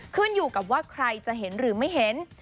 ขึ้นอยู่กับว่าใครจะเห็นหรือไม่เห็น